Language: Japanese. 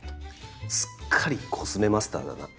すっかりコスメマスターだな。